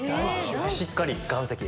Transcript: しっかり岩石。